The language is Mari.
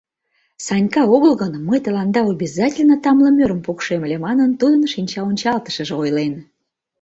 Санька огыл гын, мый тыланда обязательно тамле мӧрым пукшем ыле», — манын, тудын шинчаончалтышыже ойлен.